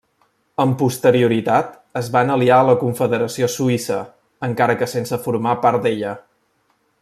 Amb posterioritat es van aliar a la confederació suïssa, encara que sense formar part d'ella.